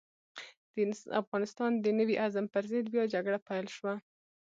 د افغانستان د نوي عزم پر ضد بيا جګړه پيل شوه.